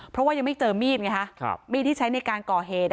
เพราะว่ายังไม่เจอมีดไงฮะมีดที่ใช้ในการก่อเหตุ